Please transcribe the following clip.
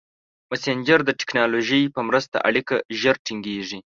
مسېنجر د ټکنالوژۍ په مرسته اړیکه ژر ټینګېږي.